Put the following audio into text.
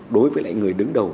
đối với lại người đứng đầu